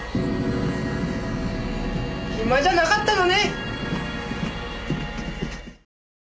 暇じゃなかったのね！